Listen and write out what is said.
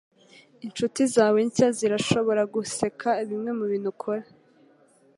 Inshuti zawe nshya zirashobora guseka bimwe mubintu ukora